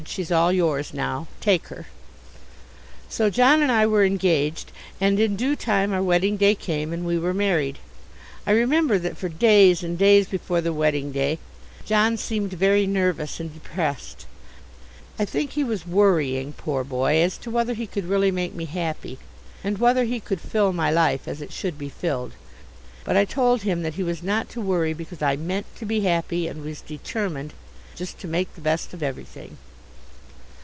"She's all yours now, take her." So John and I were engaged, and in due time our wedding day came and we were married. I remember that for days and days before the wedding day John seemed very nervous and depressed; I think he was worrying, poor boy, as to whether he could really make me happy and whether he could fill my life as it should be filled. But I told him that he was not to worry, because I meant to be happy, and was determined just to make the best of everything.